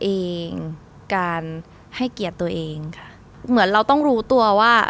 เองการให้เกียรติตัวเองค่ะเหมือนเราต้องรู้ตัวว่า